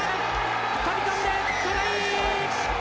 飛び込んでトライ！